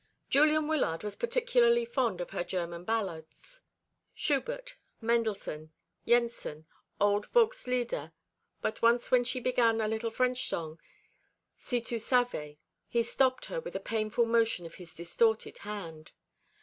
Julian Wyllard was particularly fond of her German ballads Schubert, Mendelssohn, Jensen, old Volks Lieder; but once when she began a little French song, "Si tu savais," he stopped her with a painful motion of his distorted hand.